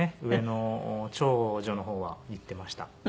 上の長女の方は言ってました。